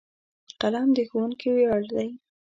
قلم د ښوونکي ویاړ دی.